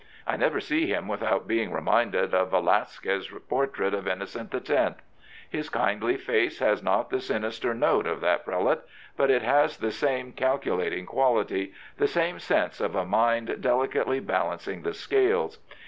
I never see him without being reminded of Velasquez's portrait of Innocent X. His kindly face has not the sinister note of that pre late; but it has the same calculating quality, the same sense of a mind delicately balancing the scales.